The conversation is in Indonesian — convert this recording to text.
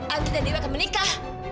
andri dan dewi akan menikah